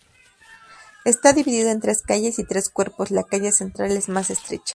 Está dividido en tres calles y tres cuerpos; la calle central es más ancha.